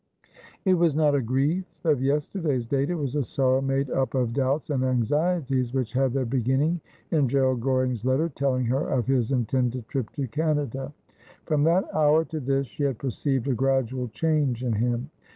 It was not a grief of yesterday's date — it was a sorrow made up of doubts and anxieties which had their beginning in Gerald Goring's letter telling her of his intended trip to Canada. From that hour to this she had perceived a gradual change in him.